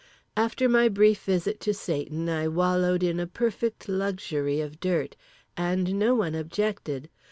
After my brief visit to Satan I wallowed in a perfect luxury of dirt. And no one objected.